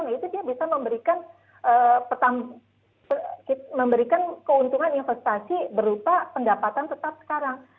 nah itu dia bisa memberikan keuntungan investasi berupa pendapatan tetap sekarang